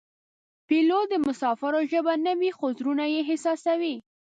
پیلوټ د مسافرو ژبه نه وي خو زړونه یې احساسوي.